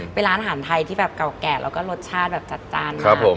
เป็นร้านอาหารไทยที่แบบเก่าแก่แล้วก็รสชาติแบบจัดจันครับผม